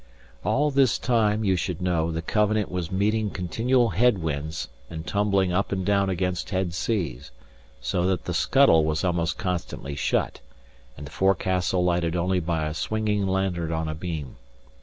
All this time, you should know, the Covenant was meeting continual head winds and tumbling up and down against head seas, so that the scuttle was almost constantly shut, and the forecastle lighted only by a swinging lantern on a beam.